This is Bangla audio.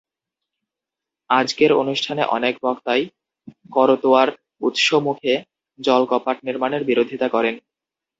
আজকের অনুষ্ঠানে অনেক বক্তাই করতোয়ার উৎসমুখে জলকপাট নির্মাণের বিরোধিতা করেন।